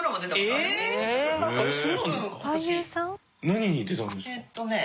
えっとね。